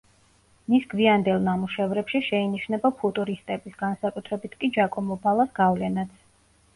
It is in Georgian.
მის გვიანდელ ნამუშევრებში შეინიშნება ფუტურისტების, განსაკუთრებით კი ჯაკომო ბალას, გავლენაც.